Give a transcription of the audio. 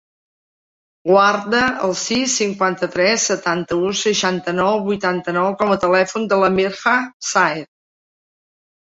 Guarda el sis, cinquanta-tres, setanta-u, seixanta-nou, vuitanta-nou com a telèfon de la Mirha Saez.